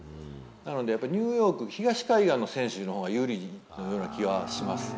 なので、やっぱりニューヨーク、東海岸の選手のほうが有利のような気はします。